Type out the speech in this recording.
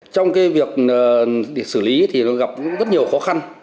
trong việc xử lý thì gặp rất nhiều khó khăn